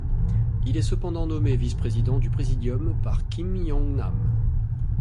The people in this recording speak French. Il est cependant nommé vice-président du Présidium par Kim Yong-nam.